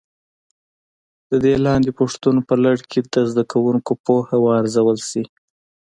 د دې لاندې پوښتنو په لړ کې د زده کوونکو پوهه وارزول شي.